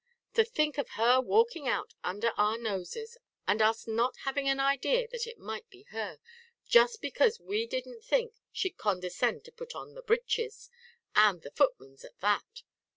To think of her walking out under our noses, and us not having an idea that it might be her, just because we didn't think she'd condescend to put on the breeches and the footman's at that.